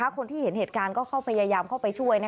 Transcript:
คนที่เห็นเหตุการณ์ก็เข้าพยายามเข้าไปช่วย